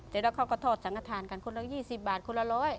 เดี๋ยวเขาก็ทอดสังอาทานกันคนละ๒๐บาทคนละ๑๐๐